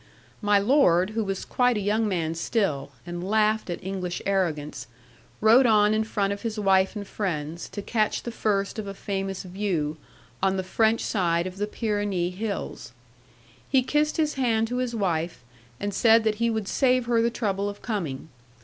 'My Lord, who was quite a young man still, and laughed at English arrogance, rode on in front of his wife and friends, to catch the first of a famous view, on the French side of the Pyrenee hills. He kissed his hand to his wife, and said that he would save her the trouble of coming.